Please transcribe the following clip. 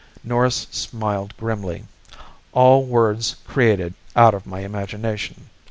Norris smiled grimly. "All words created out of my imagination.